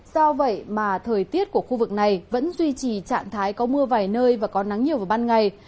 do vậy mà thời tiết của khu vực này vẫn duy trì trạng thái có mưa vài nơi và có nắng nhiều vào ban ngày